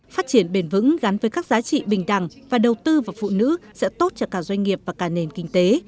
phát triển bền vững gắn với các giá trị bình đẳng và đầu tư vào phụ nữ sẽ tốt cho cả doanh nghiệp và cả nền kinh tế